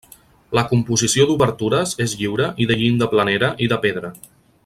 La composició d'obertures és lliure i de llinda planera i de pedra.